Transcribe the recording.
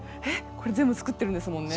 これ全部作ってるんですもんね！